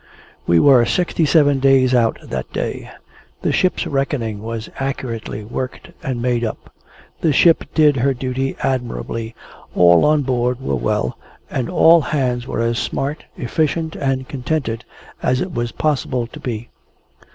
We were sixty seven days out, that day. The ship's reckoning was accurately worked and made up. The ship did her duty admirably, all on board were well, and all hands were as smart, efficient, and contented, as it was possible to be.